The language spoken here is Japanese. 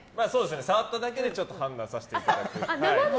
触っただけで判断させていただく。